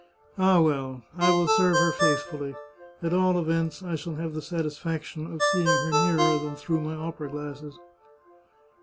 Ah, well! I will serve her faithfully. At all events, I shall have the satisfaction of seeing her nearer than through my opera glasses."